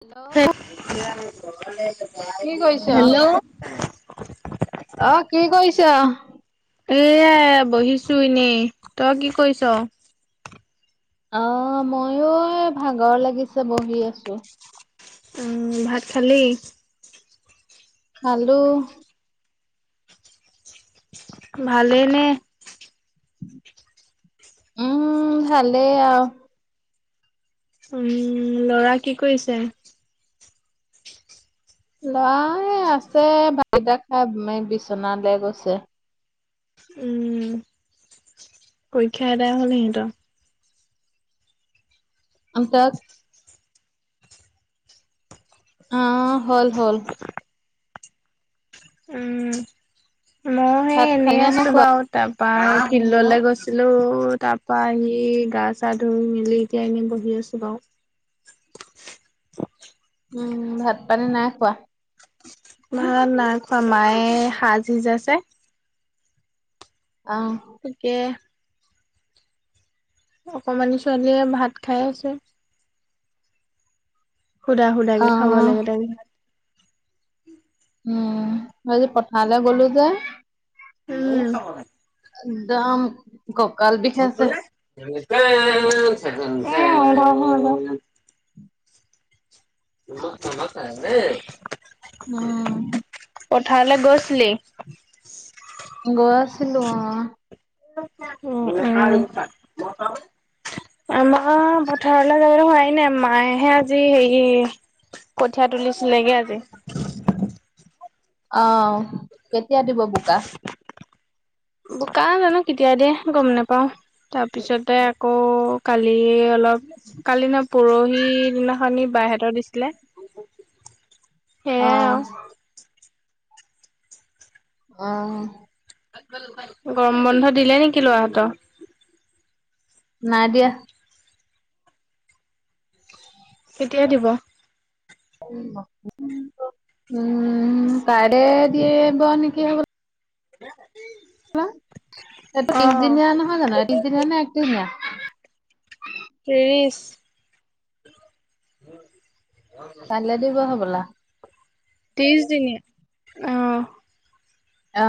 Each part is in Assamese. হেল্ল' কি কৰিছ? হেল্ল'। অ, কি কৰিছা? এয়া বহিছো এনেই, তই কি কৰিছো? অঁ ময়ো এ ভাগৰ লাগিছে বহি আছো। উম ভাত খালি? খালোঁ। ভালেই নে? উম ভালে আৰু। উম ল'ৰা কি কৰিছে? ল'ৰা আছে ভাত কেইটা খাই বিচনা লৈ গৈছে। উম, পৰীক্ষা এটাই হ'ল সিহঁতৰ? [inaudible] আ হ'ল-হ'ল। ভাত শুনি খালি নে নাই আছো বা খোৱা? তাৰপা ফিল্ডলৈ গৈছিলো তাৰ পৰা আহি গা-চা ধুই মেলি এতিয়া আমি বহি আছো বাও। উম, ভাত পানী নাই খোৱা। ভাত নাই খোৱা মায়ে সাজিজে আছে। অ। তাকে অকমানি ছোৱালীয়ে ভাত খাই আছে। সুধা-সুধা কে খাব লাগে অ তেন উম, মইযে পথাৰলে গলো যে। উম। একদম গ কাল দি [inaudible] উম পথাৰলৈ গৈছিলি? গৈ আছিলো অ। উ, উম আমাৰ পথাৰলৈ যাবলৈ হোৱাই নাই মায়েহে আজি হেৰি পঠিয়া তুলিছিলেগে আজি। অ, কেতিয়া দিব বোকা? বোকা জানো কেতিয়া দিয়ে, গম নেপাও। তাৰপিছতে আকৌ কালি অলপ কালি না পৰহি দিনাখনি বাইহঁতৰ দিছিলে। সেয়াই আহ। আৰু আহ। গৰম বন্ধ দিলে নেকি ল'ৰাহঁতৰ? নাই দিয়া। [inaudible] কেতিয়া দিব? উম, কাইলৈ দিয়ে ব, ন, কি হ [inaudible] অ ত্ৰিছদিনীয়া নহয় জানো, ত্ৰিছ দিনীয়া নে, একত্ৰিছদীনিয়া? ত্ৰিছ। [inaudible] কাইলৈ দিব হ'বলা। ত্ৰিছদিনীয়া, অ। অ।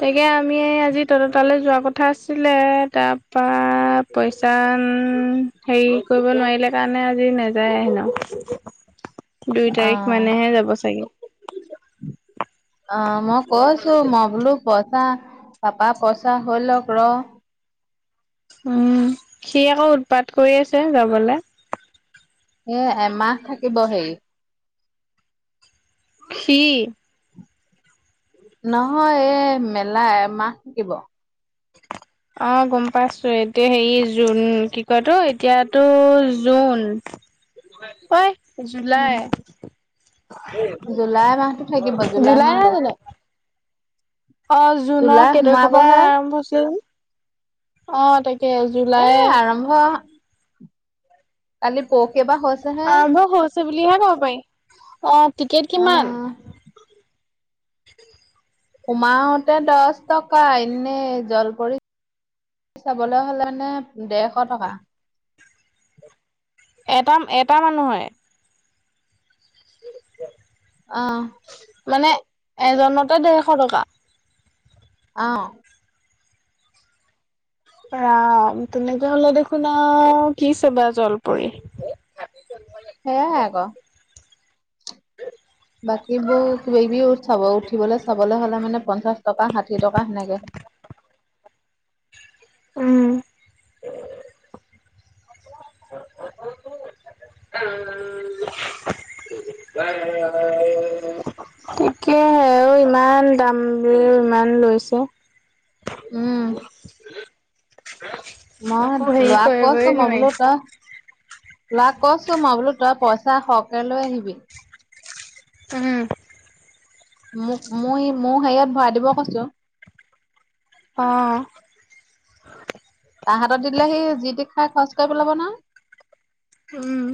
তাকে আমি আজি তহঁতৰ তালৈ যোৱা কথা কথা আছিলে, তাৰ পৰা পইচা হেৰি কৰিব নোৱাৰিলে কাৰণে আজি নাযায় হেনো। দুই তাৰিখ অহ মানেহে যাব চাগে। অ', মই কৈছোঁ, মই বোলো পইচা, পাপা পইচা হই লওক ৰ। উম্, সি আকৌ উৎপাত কৰি আছে যাবলৈ। এ, এমাহ থাকিব হেৰি। কি। নহয় এ, মেলা এমাহ থাকিব। অ', গম পাইছোঁ, এতিয়া হেৰি জুন কি কয় এইতো এতিয়াতো জুন। ঐ, জুলাই। উম জুলাই মাহটো থাকিব জুলাই নহয় মাহটো জানো। অ', জুনৰ জুলাই কেই তাৰিখৰ পৰা সোমাবহে আৰম্ভ হৈছিল, অ', তাকে। এ, জুলাই আৰম্ভ কালি পৰশিৰ পৰা হৈছে। অ', বই হৈছে বুলিহে কব পাৰি, অ', টিকেট কিমান। অহ [inaudible] সোমাওতে দহ টকা, এনে জলপৰিত চাবলৈ হ'লে মানে দেৰশ টকা। এটা, এটা মানুহৰে। [inaudible] অ', মানে, এজনতে দেৰশ টকা। অ', ৰাম, তেনেকে হ'লে দেখোন আৰু কি চাবা জলপৰি। সেয়াহে আকৌ। বাকীবোৰ কিবা-কিবি চাব উঠিবলৈ চাবলে হ'লে মানে, পঞ্চাশ টকা, ষাঠি টকা তেনেকে। উম্, [inaudible] [inaudible] তাকেও ইমান দাম ইমান লৈছেঁ। উম্, মই একো হেৰি ল'ৰাক কৰিবই কৈছোঁ, মই নোৱাৰি বোলো ত ল'ৰাক কৈছোঁ, মই বোলো তই পইচা সৰহকে লৈ আহিবি। উম্ মোক, মই মোৰ হেৰিয়ত ভৰাই দিব কৈছোঁ। অ', তাৰ হাতত দি দিলে, সি যি তি খাই, খৰচ কৰি পেলাব নহয়। উম্,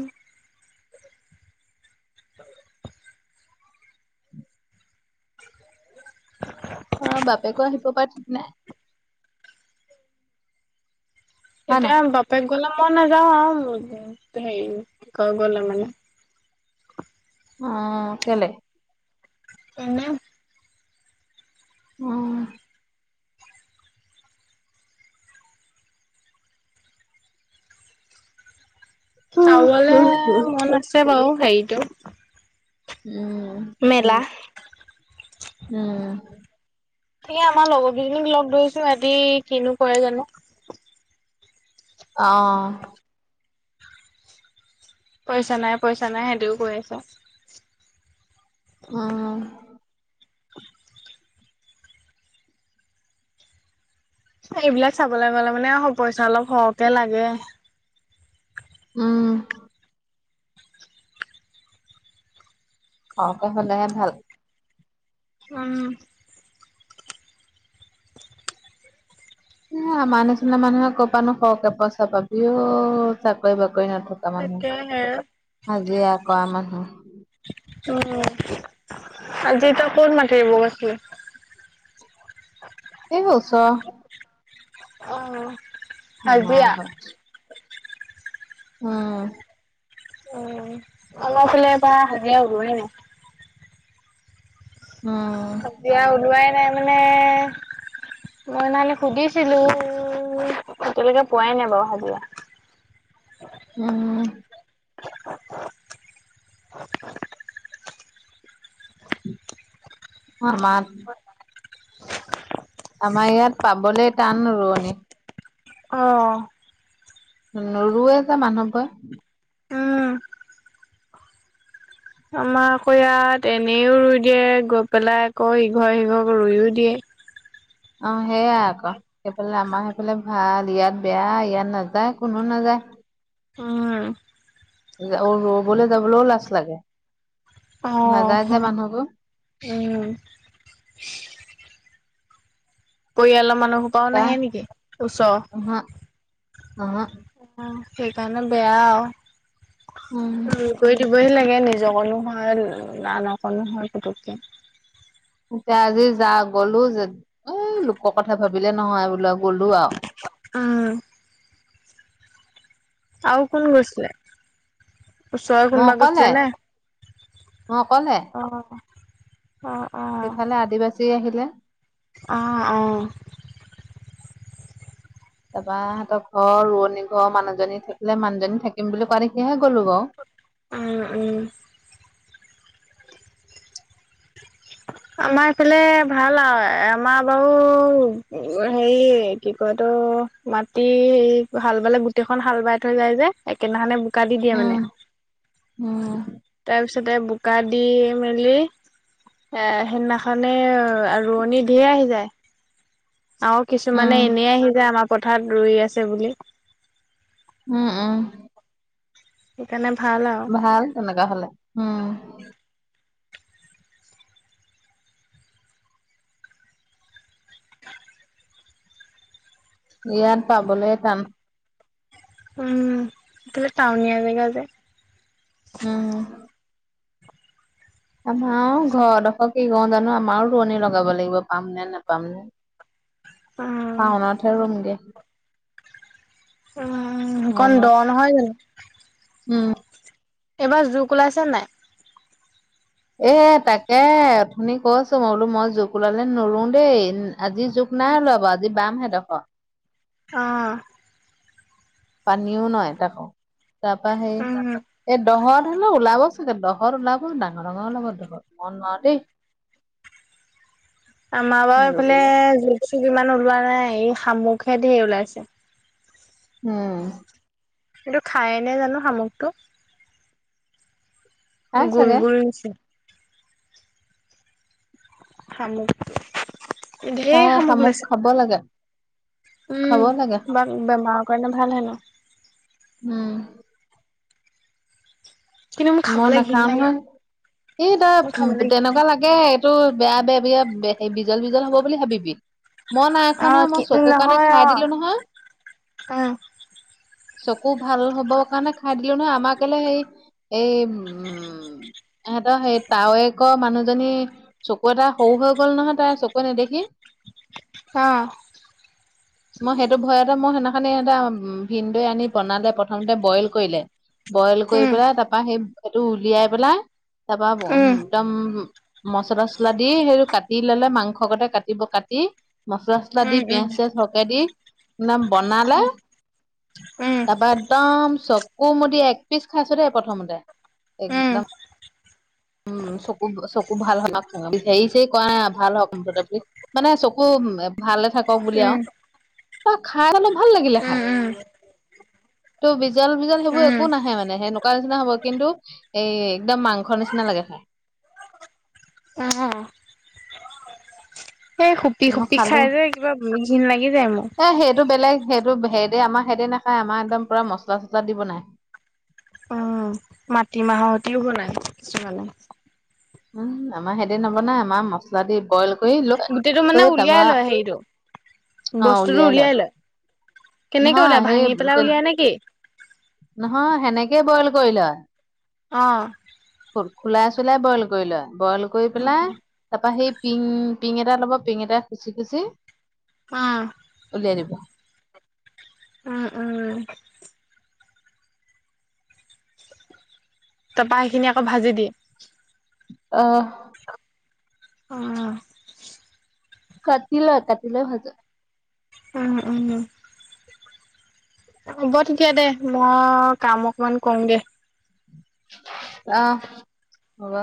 [inaudible] অ', বাপেকো আহিব পাৰে, ঠিক নাই। হয় নাই এতিয়া, বাপেক গ'লে, মই নাযাওঁ আৰু হেৰি কি কয়, গ'লে মানে অ', কেলে। এনেই। উম্। চাবলে উম মন আছে বাৰু হেৰিটো। উম্, মেলা। উম্, তাকে, আমাৰ লগৰ কেইজনীক লগ ধৰিছো, সিহঁতে কিনো কৰে জানো। অ' পইচা নাই, পইচা নাই, সিহঁতিও কৈ আছে। অ' এইবিলাক চাবলৈ গ'লে মানে, পইচা অলপ সৰহকে লাগে। উম। হওঁতে হ'লে হে ভাল। উম। এ, আমাৰ নিচিনা মানুহে ক'ৰ পৰা নো সৰহকে পইচা পাবিও, চাকৰি বাকৰি নথকা। মানুহ, তাকেহে হাজিৰা কৰা মানুহ। উম, আজি তই ক'ত মাতিৰুব গৈছিলি? এই ওচৰৰ। অহ' মামা ঘৰতচ উম। উম, আমাৰ এই ফালে এইবাৰ হাজিৰা ওলোৱাই নাই। উম। এতিয়া ওলোৱাই নাই, মানে। মই হেইদিনাখন সুধিছিলো, এতিয়ালৈকে পোৱাই নাই বাৰু, হাজিৰা। উম। [unintelligible] আমাত আমাৰ ইয়াত পাবলৈ টান, ৰুৱনী। অ' নোৰোৱে যে, মানুহবোৰে। উম আমাৰ আকৌ ইয়াত এনেও ৰুই দিয়ে, গৈ পেলাই আকৌ ইঘৰে সিঘৰক ৰুইও দিয়ে। অ' সেইয়াই আকৌ। সেইফালে, আমাৰ সেইফালে ভাল। ইয়াত বেয়া, ইয়াত নাযায়, কোনো নাযায়। উম। ৰু'বলৈ, যাবলৈও লাজ লাগে। নাযায় যে অহ' মানুহবোৰ উম। পৰিয়ালৰ মানুহ সোপাও এতিয়া নাহে নেকি, ওচৰৰ? উহু উহু অ' সেইকাৰণে বেয়া আৰু। উম। কৰি দিবই লাগে, নিজকনো হয় আনকণো হয় পুটুককৈ। এতিয়া আজি যা গ'লো যে এই লোকৰ কথা ভাবিলে নহয় বোলো গ'লো আৰু। উম। আৰু কোন গৈছিলে? ওচৰে মই কোনোবা গৈছিলে অকলে নে মই অকলে অ' অ' সেইফালে আদিবাসী আহিলে। অ' অ' তাৰাপা সিহঁতৰ ঘৰ ৰুৱনী ঘৰ মানুহজনী থাকিলে, মানুহজনী থাকিম বুলি কোৱাৰ দেখিহে গ'লো বাৰু। উম, উম। [inaudible] আমাৰ এইফালে ভাল আৰু আমাৰ বাৰু হেৰি কি কয় এইতো মাটি হাল বালে গোটেইখন হাল বাই থৈ যায় যে একেইদিনাখনে বোকা দি দিয়ে উম মানে। উম। তাৰপিছতে, বোকা দি মেলি। এ হেইদিনাখনে ৰুৱনী ঢেৰ আহি যায়। আৰু কিছুমানে উম এনেই আহি যায়, আমাৰ পথাৰত ৰুই আছে বুলি। উম উম। সেইকাৰণে ভাল আৰু। ভাল তেনেকা হ'লে, উম। ইয়াত পাবলৈ টান। উম, তুমি টাউনীয়া জেগাৰ যে। উম। আমাৰ ঘৰ ডখৰ কি কৰোঁ জানো? আমাৰো ৰোৱনি লগাব লাগিব, পাম নে নেপাম। উম টাউনতহে ৰুমগে। উম, অকণ দ শাওনত নহয় জানো? উম। এইবাৰ জোক ওলাইছে নে নাই? এ তাকেই, অথনি কৈছোঁ, মই বোলো মই জোক ওলালে নোৰোও দেই। আজি জোক নাই ওলোৱা বাৰু, আজি বাম সেইডোখৰ। অ'। পানীও নাই তাকো, তাৰ পৰা সেই উম এই দহত হেনো ওলাব চাগে, দহৰ ওলাব ডাঙৰ ডাঙৰ ওলাব দহত, মই নোৱাৰো দেই। [inaudible] আমাৰ বাৰু এইফালে মাৰিবলে জোক চোক ইমান ওলোৱা নাই, এই শামুকহে ধেৰ ওলাইছে। উম। কিন্তু খাইনে জানো শামুকটো। খাই গোল চাগে গোল হৈছে। শামুক। ধেৰ খাই শামুক ওলাইছে, খাব লাগে খাব উম, লাগে শামুক। বা বেমাৰৰ কাৰণে ভাল হয় ন। উম। কিন্তু মোৰ মই খাবলৈ ঘিণ নাখাও লাগে নহয়, ই তই মোৰ খাবলৈ ঘিণ তেনেকুৱা লাগে। লাগ তাকেহে এইটো বেয়া দে দেৰিয়া বিজল বিজল হ'ব বুলি ভাবিবি। মই নাই অ খোৱা নহয়, মই কি উম চকুৰ কাৰণে নহয় অ খাই দিলোঁ নহয়। উম চকু ভাল হ'ব কাৰণে খাই দিলোঁ নহয়, আমাৰ কেলে হেৰি এই উম, এহঁতৰ সেই তাৱেকৰ মানুহজনী চকু এটা সৰু হৈ গ'ল নহয় তাইৰ চকুৰে নেদেখি! অ'। মই সেইটো ভয়তে মই সেইদিনাখনি এটা ভিন দৈ আনি বনালে, প্ৰথমতে বইল কৰিলে। বইল কৰি উম পেলাই, তাৰপা সেই সেইটো উলিয়াই পেলাই, তাৰপা উম একদম মচলা চচলা দি সেইটো কাটি ল'লে, মাংসৰ গতে কাটিব, কাটি মচলা চচলা দি, পিয়াঁজ উম চিয়াজ সৰহকে দি নাম বনালে, উম তাৰপা একদম চকুমুদি একপিচ খাইছোঁ দেই প্ৰথমতে, উম উম একদম। উম চকু চকু ভাল হয়, [unintelligible] হেৰি চেৰী কৰাই ভাল হওক মুঠতে। মানে চকু ভালে থাকক বুলি আৰু। উম ত' খাই অলপ ভাল লাগিলে উম খাই। উম ত' বিজাল বিজাল সেইবোৰ উম একো নাহে মানে, সেনেকুৱা নিচিনা হ'ব, কিন্তু এই একদম মাংসৰ নিচিনা লাগে খাই। অহ। এই সুপি মই সুপি খাই যে, কিবা ঘিন লাগি যায় মোৰ। এই সেইটো বেলেগ। সেইটো সেইদে, আমাৰ সেইদে নেখায়, আমাৰ একদম মছলা চচলা দি বনাই। মাটিমাহৰ সতিও বনায় কিছুমানে। উম, আমাৰ হেইতে নবনাই, আমাৰ মছলা দি বইল কৰি গোটেইটো মানে লৈ উলিয়াই তাৰপা, লয় হেৰিটো অ' উলিয়াই লয়। কেনেকে নহয় উলিয়াই সেই ভাঙি পেলাই তে উলিয়াই নেকি নহয় সেনেকেই বইল কৰি লয়। অ'। খোল খোলাই চুলাই বইল কৰি লয়, বইল কৰি পেলাই তাৰপা সেই পিং পিং এটা ল'ব, পিং এটা খুচি খুচি আ। উলিয়াই দিব। উম, উম। তাৰপা সেইখিনি আকৌ ভাজি দিয়ে। অ'। উম। কাটিলৈ কাটিলৈ ভাজে। উম, উম। হ'ব তেতিয়া দে, মই কাম অকমান কৰুম দে। অ' হ'ব।